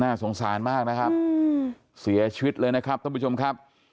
สงสารมากนะครับเสียชีวิตเลยนะครับท่านผู้ชมครับ